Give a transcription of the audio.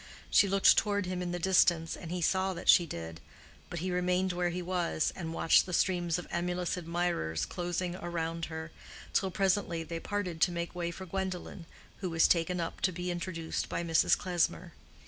She looked toward him in the distance, and he saw that she did; but he remained where he was, and watched the streams of emulous admirers closing round her, till presently they parted to make way for Gwendolen, who was taken up to be introduced by Mrs. Klesmer.